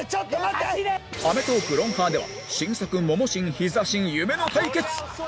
『アメトーーク』×『ロンハー』では新作モモ神ヒザ神夢の対決